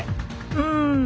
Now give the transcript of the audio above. うん。